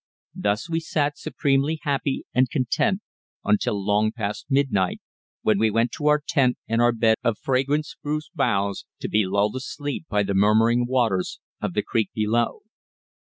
Thus we sat supremely happy and content until long past midnight, when we went to our tent and our bed of fragrant spruce boughs, to be lulled asleep by the murmuring waters of the creek below.